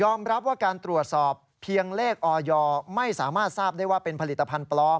รับว่าการตรวจสอบเพียงเลขออยไม่สามารถทราบได้ว่าเป็นผลิตภัณฑ์ปลอม